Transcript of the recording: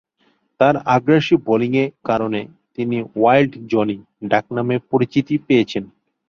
তার আগ্রাসী বোলিংয়ে কারণে তিনি ‘ওয়াইল্ড জনি’ ডাকনামে পরিচিতি পেয়েছেন।